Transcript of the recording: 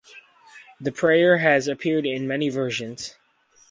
The prayer has appeared in many versions.